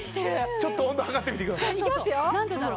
ちょっと温度測ってみてください。